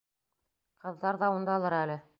Ҡыҙҙар ҙа ундалыр әле.